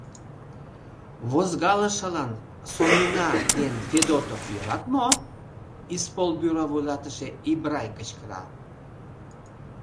Возгалышылан Сомина ден Федотов йӧрат мо? — исполбюро вуйлатыше Ибрай кычкыра.